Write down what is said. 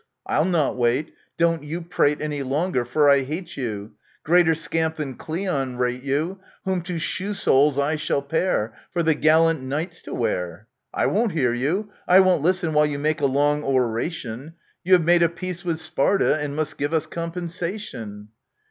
I'll not wait : don't you prate Any longer ; for I hate you ! Greater scamp than Cleon rate you, — Whom to shoe soles I shall pare, For the gallant Knights to wear !* I won't hear you ! I won't listen while you make a long oration ; You have made a peace with Sparta, and must give us compen sation